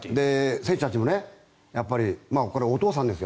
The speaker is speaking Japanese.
選手たちもこれはお父さんですよ